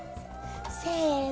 せの！